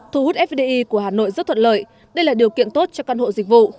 thu hút fdi của hà nội rất thuận lợi đây là điều kiện tốt cho căn hộ dịch vụ